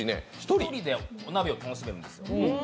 １人でお鍋を楽しめるんですよ。